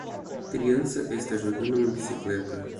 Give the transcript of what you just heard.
criança está jogando uma bicicleta